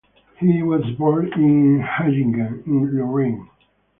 He was born in Hayingen in Lorraine.